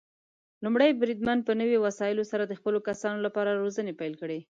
لومړی بریدمن په نوي وسايلو سره د خپلو کسانو لپاره روزنې پيل کړي.